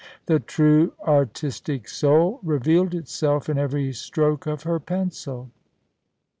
The true artistic soul re vealed itself in every stroke of her pencil.